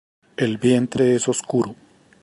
El vientre es oscuro.